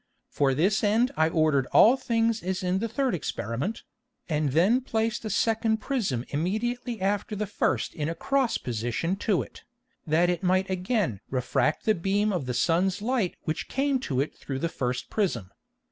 For this end I ordered all things as in the third Experiment, and then placed a second Prism immediately after the first in a cross Position to it, that it might again refract the beam of the Sun's Light which came to it through the first Prism.